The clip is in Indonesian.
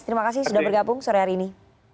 terima kasih sudah bergabung sore hari ini